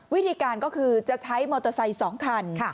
วิธีการก็คือจะใช้มอเตอร์ไซค์๒คัน